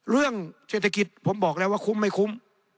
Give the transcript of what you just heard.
เรื่องเศรษฐกิจผมบอกแล้วว่าคุ้มไม่คุ้ม